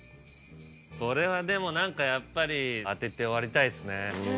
これはでも何かやっぱり当てて終わりたいですね。